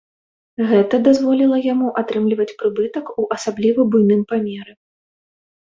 Гэта дазволіла яму атрымліваць прыбытак у асабліва буйным памеры.